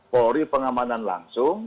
polri pengamanan langsung